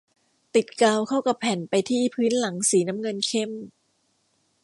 ติดกาวเข้ากับแผ่นไปที่พื้นหลังสีน้ำเงินเข้ม